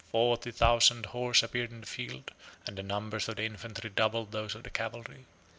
Forty thousand horse appeared in the field, 26 and the numbers of the infantry doubled those of the cavalry.